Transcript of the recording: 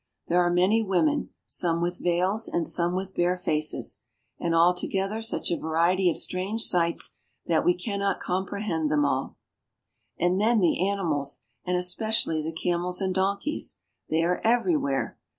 There are many women, some with veils and some with bare faces; and all together such a variety of strange sights that we can not comprehend them all. CARP. AFRICA — 2 20 AFRICA And then the animals, and especially the camels and donkeys ! They are everywhere.